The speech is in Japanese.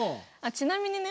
ちなみにね